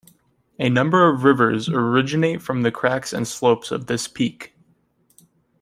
A number of rivers originate from the cracks and slopes of this peak.